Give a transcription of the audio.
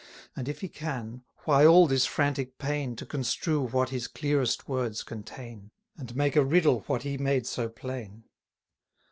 And if he can, why all this frantic pain To construe what his clearest words contain, And make a riddle what he made so plain?